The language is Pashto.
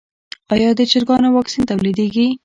آیا د چرګانو واکسین تولیدیږي؟